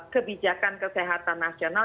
kebijakan kesehatan nasional